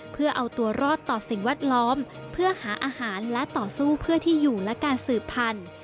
เพื่อเอาตัวรอดต่อสิ่งแวดล้อมเพื่อหาอาหารและต่อสู้เพื่อที่อยู่และการสืบพันธุ์